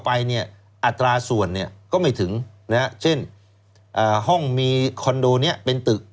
อัตราส่วนก็ไม่ถึงเช่นห้องมีคอนโดนี้เป็นตึก